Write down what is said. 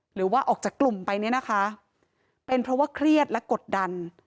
หรือว่าออกจากกลุ่มไปเนี่ยนะคะเป็นเพราะว่าเครียดและกดดัน